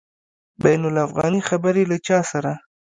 بین الافغاني خبري له چا سره؟